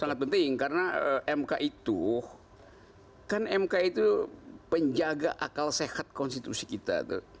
sangat penting karena mk itu kan mk itu penjaga akal sehat konstitusi kita